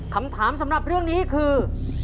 คำถามสำหรับเรื่องนี้คือ